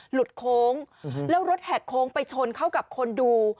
หลุดโค้งแล้วรถแหกโค้งไปชนเข้ากับคนดู